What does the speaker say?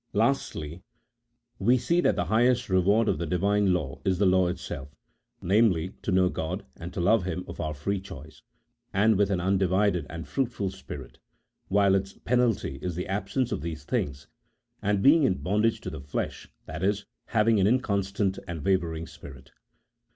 Lastly, we see that the highest reward of the Divine law is the law itself, namely, to know God and to love Him of our free choice, and with an undivided and fruitful spirit ; while its penalty is the absence of these things, and being in bondage to the flesh — that is, having an inconstant and wavering spirit.